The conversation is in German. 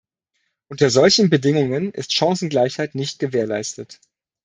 Unter solchen Bedingungen ist Chancengleichheit nicht gewährleistet.